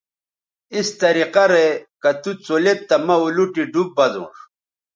اس طریقہ رے کہ تُوڅولید تہ مہ اولوٹی ڈوب بزونݜ